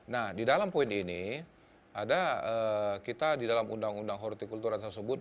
nah di dalam poin ini ada kita di dalam undang undang hortikultura tersebut